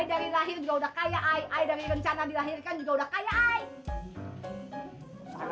i dari lahir juga udah kaya i i dari rencana dilahirkan juga udah kaya i